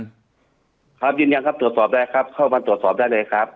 ครับครับยืนยันครับตรวจสอบได้ครับเข้ามาตรวจสอบได้เลยครับ